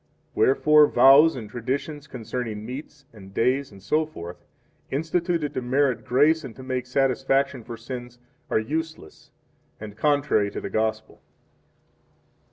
Wherefore vows and traditions concerning meats and 4 days, etc., instituted to merit grace and to make satisfaction for sins, are useless and contrary to the Gospel.